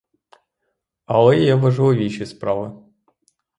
Але є важливіші справи.